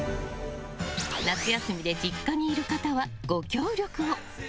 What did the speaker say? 夏休みで実家にいる方はご協力を！